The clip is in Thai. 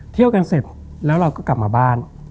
เที่ยวกันเสร็จแล้วเราก็กลับมาบ้าน